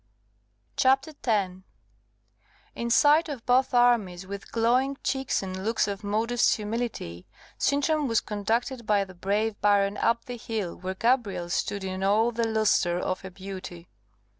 CHAPTER 10 In sight of both armies, with glowing cheeks and looks of modest humility, Sintram was conducted by the brave baron up the hill where Gabrielle stood in all the lustre of her beauty.